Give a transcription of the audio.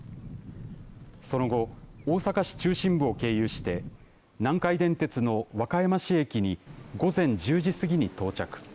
その後、大阪市中心部を経由して南海電鉄の和歌山市駅に午前１０時過ぎに到着。